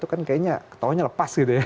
itu kan kayaknya taunya lepas gitu ya